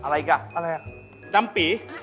อะไรอีกอ่ะอะไรน้ำปี